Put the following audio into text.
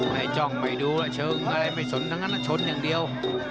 ใหม่จ้องไม่ดูเชิงเชิงไม่สนฉันอย่างเดียว